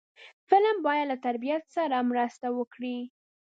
فلم باید له تربیت سره مرسته وکړي